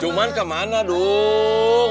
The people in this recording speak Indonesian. cuman kemana dong